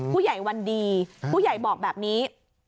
ผู้ใหญ่วันดีผู้ใหญ่บอกแบบนี้